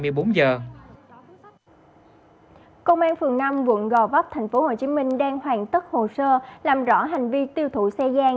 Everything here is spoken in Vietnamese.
công an phường năm quận gò vấp tp hcm đang hoàn tất hồ sơ làm rõ hành vi tiêu thụ xe gian